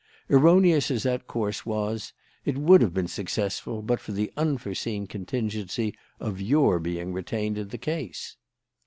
Erroneous as that course was, it would have been successful but for the unforeseen contingency of your being retained in the case.